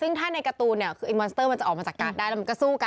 ซึ่งถ้าในการ์ตูนเนี่ยคืออินมอนสเตอร์มันจะออกมาจากกาดได้แล้วมันก็สู้กัน